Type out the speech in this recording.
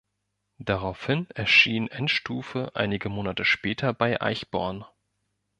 Daraufhin erschien "Endstufe" einige Monate später bei Eichborn.